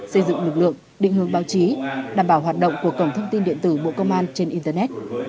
xây dựng lực lượng định hướng báo chí đảm bảo hoạt động của cổng thông tin điện tử bộ công an trên internet